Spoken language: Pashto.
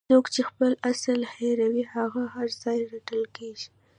څوک چې خپل اصل هیروي هغه هر ځای رټل کیږي.